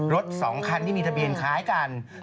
๒คันที่มีทะเบียนคล้ายกัน